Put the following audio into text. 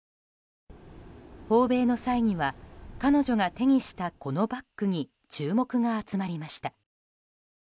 訪米の際には彼女が手にしたこのバッグに注目が集まりました。